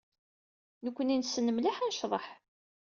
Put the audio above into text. Nekkni nessen mliḥ ad necḍeḥ.